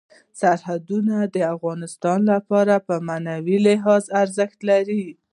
سرحدونه د افغانانو لپاره په معنوي لحاظ ارزښت لري.